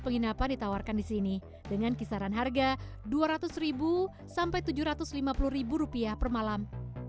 penginapan ditawarkan di sini dengan kisaran harga rp dua ratus sampai rp tujuh ratus lima puluh per malam